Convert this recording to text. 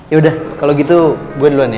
yaudah kalo gitu gue duluan ya